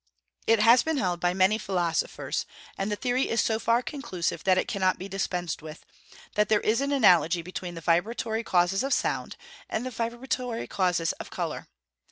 It has been held by many philosophers (and the theory is so far conclusive that it cannot be dispensed with) that there is an analogy between the vibratory causes of sound, and the vibratory causes of colour.